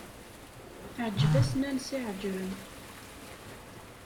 Teεǧeb-as Nansi Ԑeǧrem.